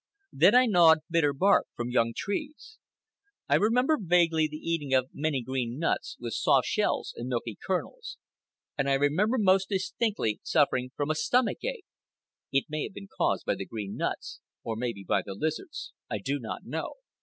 Then I gnawed bitter bark from young trees. I remember vaguely the eating of many green nuts, with soft shells and milky kernels. And I remember most distinctly suffering from a stomach ache. It may have been caused by the green nuts, and maybe by the lizards. I do not know.